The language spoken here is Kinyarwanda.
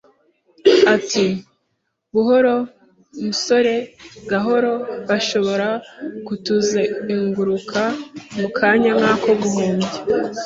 Ati: “Buhoro, musore, gahoro.” “Bashobora kutuzenguruka mu kanya nk'ako guhumbya